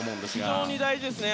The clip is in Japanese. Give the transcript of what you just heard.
非常に大事ですね。